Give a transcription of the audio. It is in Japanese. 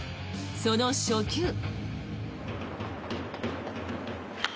その初球。